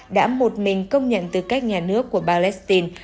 đã một mình công nhận tư cách nhà nước của palestine